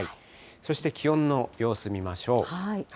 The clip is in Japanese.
そして気温の様子見ましょう。